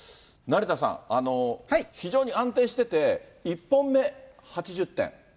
成田さん、非常に安定してて、１本目、８０点。